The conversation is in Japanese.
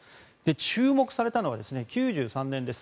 注目されたのが９３年です。